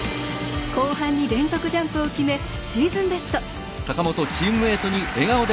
後半に連続ジャンプを決めシーズンベスト。